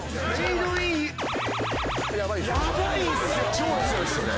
超強いっすよね。